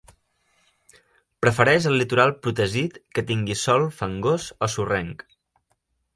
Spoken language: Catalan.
Prefereix el litoral protegit que tingui sòl fangós o sorrenc.